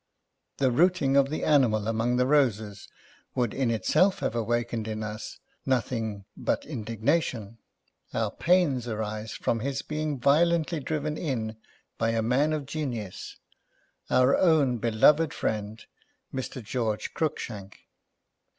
The rooting of the animal among the roses would in itself have awakened in us nothing but Vol. Vni.— No. l&l indignation ; our pain arises from his being violently driven in by a man of genius, our own beloved friend, Mr. George Cruikshank.